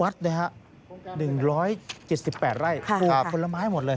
วัดนะครับ๑๗๘ไร่คนละไม้หมดเลย